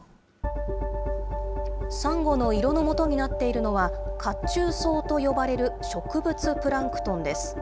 サンゴの色のもとになっているのは、褐虫藻と呼ばれる植物プランクトンです。